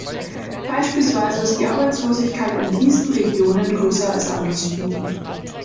Beispielsweise ist die Arbeitslosigkeit in diesen Regionen größer als anderswo.